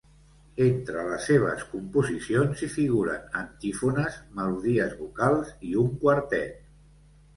Entre les seves composicions hi figuren antífones, melodies vocals i un quartet.